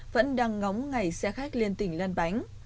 vẫn đang ngóng ngày xe khách liên tình lan bánh